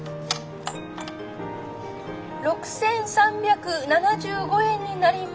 ６，３７５円になりま。